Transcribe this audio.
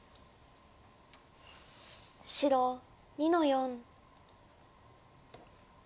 白２の四。